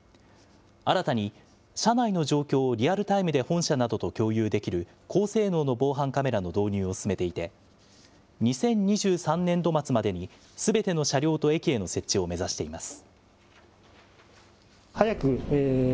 新たに車内の状況をリアルタイムで本社などと共有できる高性能の防犯カメラの導入を進めていて、２０２３年度末までにすべての車両と駅への設置を目指しています。